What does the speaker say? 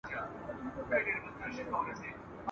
د مېچني په څېر ګرځېدی چالان وو !.